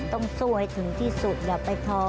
ต้องสู้ให้ถึงที่สุดอย่าไปท้อ